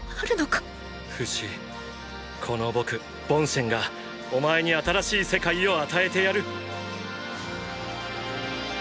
ーーフシこの僕ボンシェンがお前に新しい世界を与えてやる！